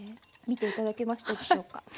見て頂けましたでしょうか。